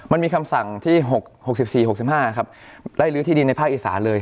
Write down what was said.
มันมีคำสั่งที่๖๔๖๕ครับไล่ลื้อที่ดินในภาคอีสานเลย